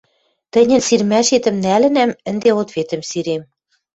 Тӹньӹн сирмӓшетӹм нӓлӹнӓм, ӹнде ответӹм сирем.